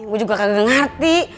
gue juga gak ngerti